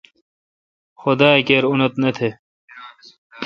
خدا اکیر اونتھ نہ تھ۔